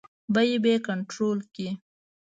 بیې به کنټرول کړي.